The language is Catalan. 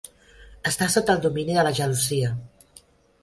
Està sota el domini de la gelosia.